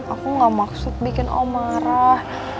aku gak maksud bikin oh marah